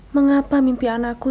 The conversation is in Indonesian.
mengapa mimpi anakku